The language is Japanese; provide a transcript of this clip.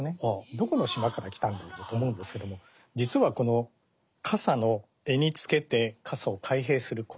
「どこの島から来たんだろう」と思うんですけども実はこの傘の柄につけて傘を開閉するこの部分。